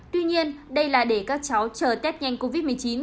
tuy nhiên đây là để các cháu chờ tết nhanh covid một mươi chín